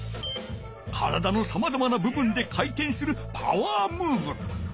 体のさまざまなぶぶんでかいてんするパワームーブ。